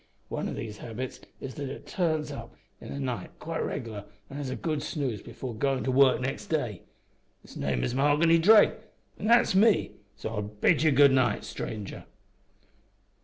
One o' these habits is that it turns in of a night quite reg'lar an' has a good snooze before goin' to work next day. Its name is Mahoghany Drake, an' that's me, so I'll bid you good night, stranger.'